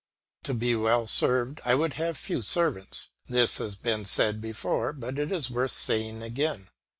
To be well served I would have few servants; this has been said before, but it is worth saying again.